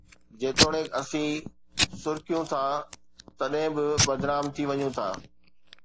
جيتوڻيڪ اسين سُرڪيون ٿا، تڏهن به بدنام ٿي وڃون ٿا.